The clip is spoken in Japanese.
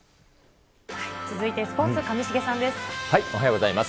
続いてスポーツ、上重さんでおはようございます。